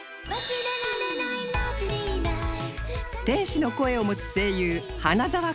天使の声を持つ声優花澤